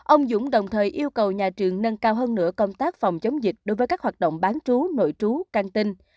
ông dũng đồng thời yêu cầu nhà trường nâng cao hơn nửa công tác phòng chống dịch đối với các hoạt động bán trú nội trú can tinh